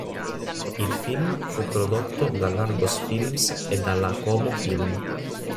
Il film fu prodotto dall'Argos Films e dalla Como Film.